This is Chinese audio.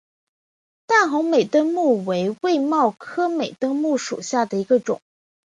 淡红美登木为卫矛科美登木属下的一个种。